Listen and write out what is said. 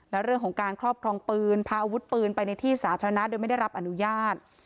และเรื่องของการครอบครองปืนพาอาวุธปืนไปในที่สาธารณะโดยไม่ได้รับอนุญาต